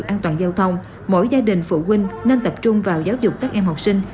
an toàn giao thông mỗi gia đình phụ huynh nên tập trung vào giáo dục các em học sinh